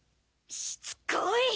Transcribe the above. しつこいっ！